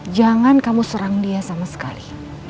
jangan kamu serang dia sama sekali